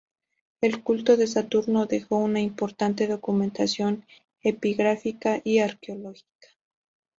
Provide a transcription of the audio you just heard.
El culto de Saturno dejó una importante documentación epigráfica y arqueológica.